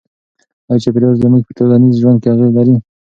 آیا چاپیریال زموږ په ټولنیز ژوند اغېز لري؟